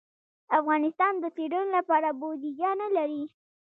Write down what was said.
افغانستان د څېړنو لپاره بودیجه نه لري.